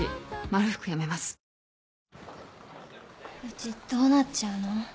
うちどうなっちゃうの？